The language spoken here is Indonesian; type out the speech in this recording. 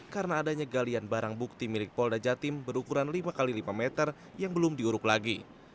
karena adanya galian barang bukti milik polda jatim berukuran lima x lima meter yang belum diuruk lagi